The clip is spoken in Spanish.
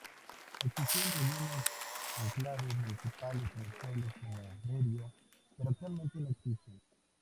Existieron algunos enclaves municipales en pueblos como Derio, pero actualmente no existen.